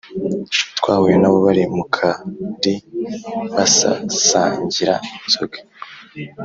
Twahuye nabo bari mukari basasangira inzoga